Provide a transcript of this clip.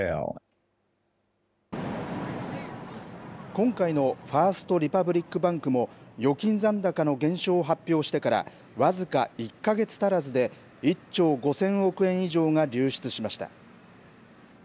今回のファースト・リパブリック・バンクも、預金残高の減少を発表してから僅か１か月足らずで、１兆５０００億円以上が流出しました。